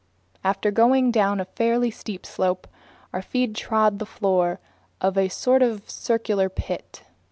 After going down a fairly steep slope, our feet trod the floor of a sort of circular pit.